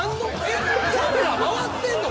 えっカメラ回ってんの？